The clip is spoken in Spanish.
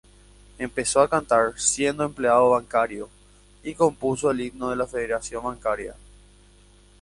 Empezó a cantar siendo empleado bancario y compuso el himno de la Federación Bancaria.